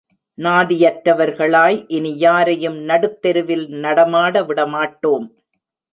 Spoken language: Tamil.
நாதியற்றவர்களாய் இனி யாரையும் நடுத்தெருவில் நடமாட விடமாட்டோம்.